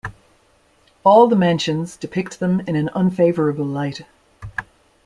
All the mentions depict them in an unfavourable light.